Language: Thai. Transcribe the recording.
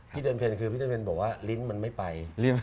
เดินเพลคือพี่เจริญเพลบอกว่าลิ้นมันไม่ไป